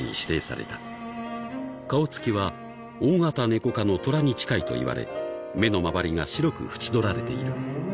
［顔つきは大型ネコ科のトラに近いといわれ目のまわりが白く縁取られている］